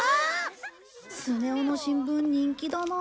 スネ夫の新聞人気だな。